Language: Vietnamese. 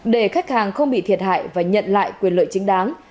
để khách hàng không bị thiệt hại và nhận lại quyền lợi chính đáng